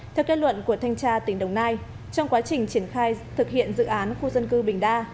theo kết luận của thanh tra tỉnh đồng nai trong quá trình triển khai thực hiện dự án khu dân cư bình đa